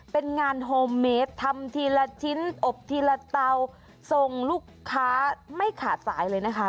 เป็นงานโฮมเมดทำทีละชิ้นอบทีละเตาส่งลูกค้าไม่ขาดสายเลยนะคะ